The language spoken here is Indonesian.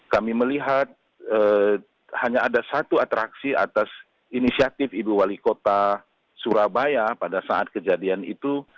kami melihat hanya ada satu atraksi atas inisiatif ibu wali kota surabaya pada saat kejadian itu